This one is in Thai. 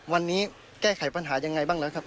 วันนี้แก้ไขปัญหายังไงบ้างแล้วครับ